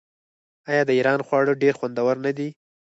آیا د ایران خواړه ډیر خوندور نه دي؟